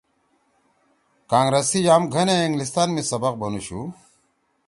کانگرس سی یام گھنے اِنگلستان می سبق بنُوشُو